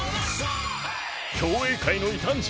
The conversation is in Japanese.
競泳界の異端児